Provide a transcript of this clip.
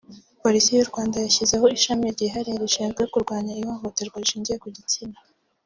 Polisi y’u Rwanda yashyizeho ishami ryihariye rishinzwe kurwanya ihohoterwa rishingiye ku gitsina